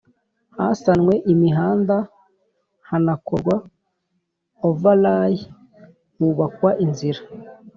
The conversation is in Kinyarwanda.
Hasanwe imihanda hanakorwa overlay hubakwa inzira